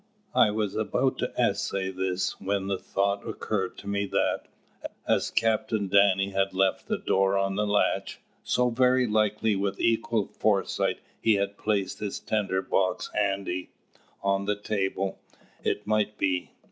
I was about to essay this when the thought occurred to me that, as Captain Danny had left the door on the latch, so very likely with equal foresight he had placed his tinder box handy on the table, it might be.